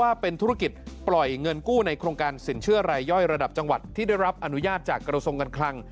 ว่าเป็นธุรกิจปล่อยเงินกู้ในโครงการสินเชื่อรายย่อยระดับจังหวัดที่ได้รับอนุญาตจากกระทรงการคลัง